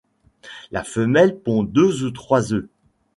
La femelle pond deux ou trois œufs.